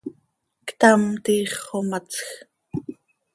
Ctam, tiix xomatsj.